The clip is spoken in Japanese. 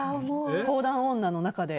相談女の中で。